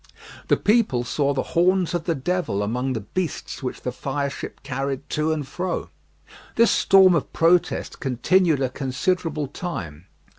The people saw the horns of the devil among the beasts which the fireship carried to and fro. This storm of protest continued a considerable time.